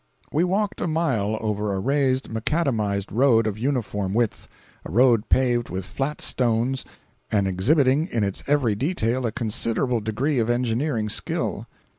We walked a mile over a raised macadamized road of uniform width; a road paved with flat stones and exhibiting in its every detail a considerable degree of engineering skill.